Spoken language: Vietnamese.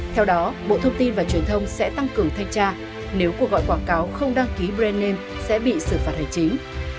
theo đó bộ thông tin và truyền thông sẽ tăng cường thanh tra nếu cuộc gọi quảng cáo không đăng ký brand name sẽ bị xử phạt hành chính